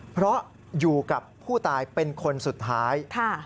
เพราะอยู่กับผู้ตายเป็นคนสุดท้าย